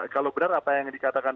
kalau benar apa yang dikatakan